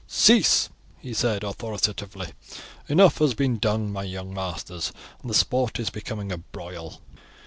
"Cease!" he said authoritatively. "Enough has been done, my young masters, and the sport is becoming a broil."